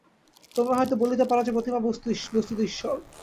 তোমরা হয়তো বলিতে পার যে, প্রতিমা বস্তুত ঈশ্বর।